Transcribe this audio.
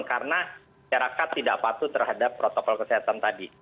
karena masyarakat tidak patut terhadap protokol kesehatan tadi